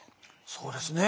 そうですね。